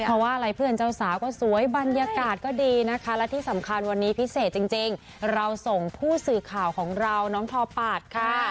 เพราะว่าอะไรเพื่อนเจ้าสาวก็สวยบรรยากาศก็ดีนะคะและที่สำคัญวันนี้พิเศษจริงเราส่งผู้สื่อข่าวของเราน้องทอปาดค่ะ